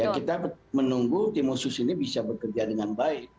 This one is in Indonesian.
kita menunggu timusus ini bisa bekerja dengan baik